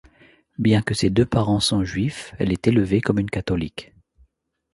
Bien que ses deux parents sont juifs, elle est élevée comme une catholique.